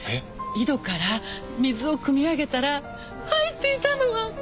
井戸から水をくみ上げたら入っていたのは水じゃなくて！